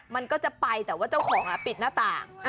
มันก็จะไปแต่ว่าเจ้าของปิดหน้าต่าง